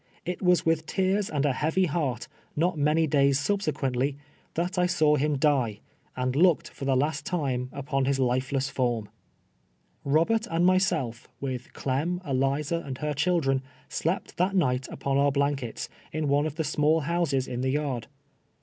It was with tears and a heavy heart, not many days suljsequently, that I saw him die, and looked lor the hist time u})on liis lifeless form! ItDherc and my sell', with Clem, Eliza and her chil dren, slept that night n})on our Idankets, in one of the small houses in the yard.